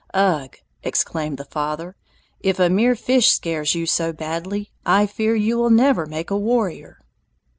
"Ugh," exclaimed the father, "if a mere fish scares you so badly, I fear you will never make a warrior!"